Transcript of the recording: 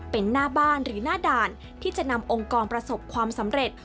เป็นหน้าบ้านหรือหน้าด่านที่จะนำองค์กรประสบความสำเร็จ